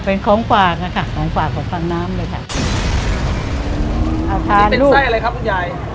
เป็นของฝั่งนะคะของฝั่งของฝั่งน้ำเลยค่ะเอาทานลูกนี่เป็นไส้อะไรครับคุณยาย